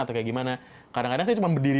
atau kayak gimana kadang kadang saya cuma berdiri